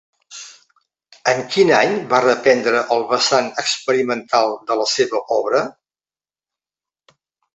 En quin any va reprendre el vessant experimental de la seva obra?